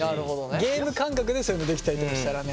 ゲーム感覚でそういうのできたりとかしたらね。